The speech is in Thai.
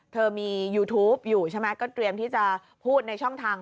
เธอมียูทูปอยู่ใช่ไหมก็เตรียมที่จะพูดในช่องทาง